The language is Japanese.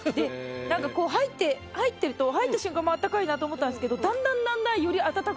なんかこう入ってると入った瞬間もあったかいなと思ったんですけど。